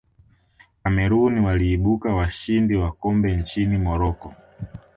cameroon waliibuka washindi wa kombe nchini morocco